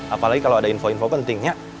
apalagi kalau ada info info pentingnya